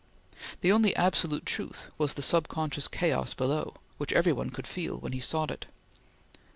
The only absolute truth was the sub conscious chaos below, which every one could feel when he sought it.